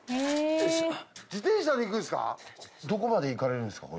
自転車で行くんすか？